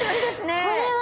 これは！